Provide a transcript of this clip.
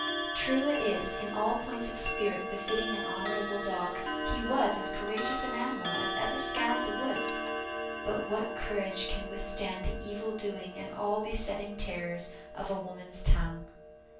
True it is, in all points of spirit befitting in honorable dog, he was as courageous an animal as ever scoured the woods but what courage can withstand the evil doing and all besetting terrors of a woman's tongue?